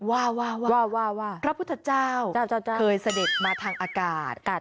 ว่าว่าว่าพระพุทธเจ้าเคยเสด็จมาทางอากาศ